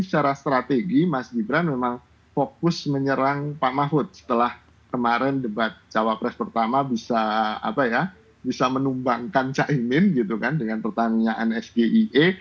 secara strategi mas gibran memang fokus menyerang pak mahfud setelah kemarin debat cawapres pertama bisa menumbangkan caimin gitu kan dengan pertanyaan sgie